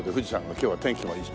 今日は天気もいいし。